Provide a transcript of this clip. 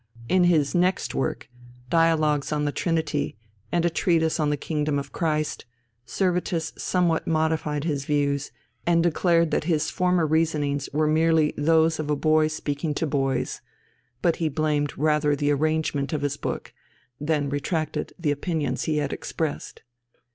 In his next work, Dialogues on the Trinity and A Treatise on the Kingdom of Christ, Servetus somewhat modified his views, and declared that his former reasonings were merely "those of a boy speaking to boys"; but he blamed rather the arrangement of his book, than retracted the opinions he had expressed.